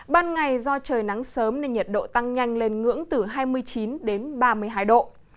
ban ngày do trời nắng sớm nên nhiệt độ tăng nhanh lên ngưỡng từ hai mươi chín đến ba mươi hai độ